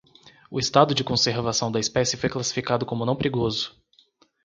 O estado de conservação da espécie foi classificado como não perigoso.